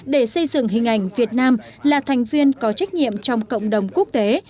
để xây dựng hình ảnh việt nam là thành viên có trách nhiệm trong cộng đồng quốc tế